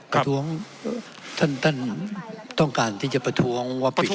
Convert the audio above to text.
การประท้วงท่านต้องการที่จะประท้วง